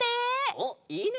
おっいいね！